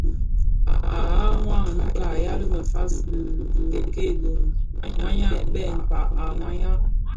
A wayag a Nnouka a yal mefas le dhi Nke a wayag bè Mkpag a wayag.